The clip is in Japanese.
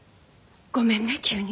ごめんね急に。